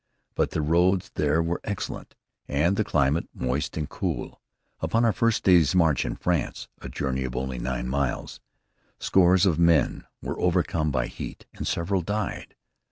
But the roads there were excellent, and the climate moist and cool. Upon our first day's march in France, a journey of only nine miles, scores of men were overcome by the heat, and several died.